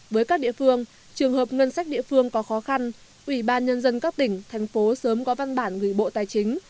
với các địa phương trường hợp ngân sách địa phương có khó khăn ủy ban nhân dân các tỉnh thành phố sớm có văn bản gửi bộ tài chính